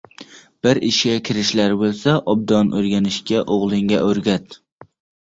– bir ishga kirishar bo‘lsa, obdon o‘rganishga o'g'lingga o'rgat.